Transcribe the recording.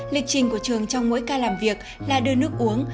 lịch trình của trường trong mỗi ca làm việc là đưa nước uống